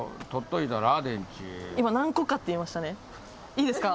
いいですか？